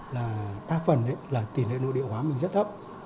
là đa phần là tiền lợi nội địa hóa mình rất thấp